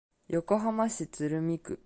横浜市鶴見区